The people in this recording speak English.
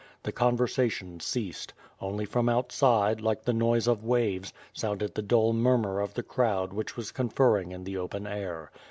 The conversation ceased; only from outside, like the noise of waves, sounded the dull murmur of the crowd which was conferring in the open air.